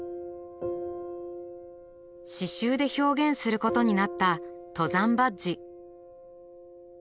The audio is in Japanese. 刺しゅうで表現することになった登山バッジ。